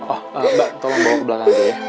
oh mbak tolong bawa ke belakang deh ya